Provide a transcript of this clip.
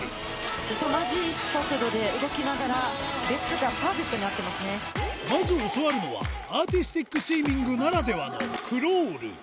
すさまじい速度で動きながら、まず教わるのは、アーティスティックスイミングならではのクロール。